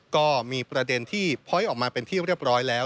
ก็มีประเด็นที่พ้อยออกมาเป็นที่เรียบร้อยแล้ว